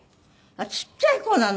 ちっちゃい子なの？